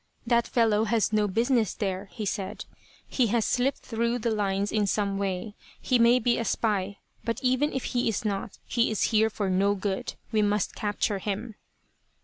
"That fellow has no business there," he said, "He has slipped through the lines in some way. He may be a spy, but even if he is not, he is here for no good. We must capture him."